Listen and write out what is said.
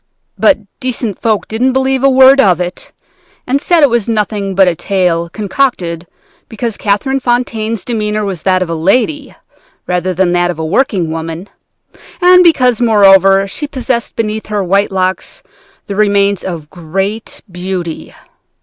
But decent folk didn't believe a word of it, and said it was nothing but a tale concocted because Catherine Fontaine's demeanor was that of a lady rather than that of a working woman, and because, moreover, she possessed beneath her white locks the remains of great beauty.